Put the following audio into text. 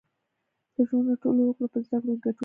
• د ټولنې ټولو وګړو په زدهکړو کې ګډون کاوه.